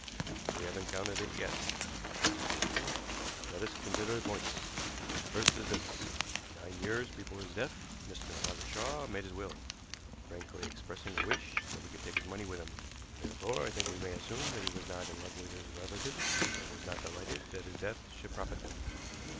"We haven't counted it yet," was the answer. "Let as consider the points. The first is this: Nine years before his death Mr. Ottershaw made his will, frankly expressing a wish that he could take his money with him. Therefore, I think we may assume that he was not in love with his relatives, and was not delighted that his death should profit them.